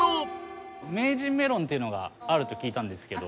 名人メロンというのがあると聞いたんですけど。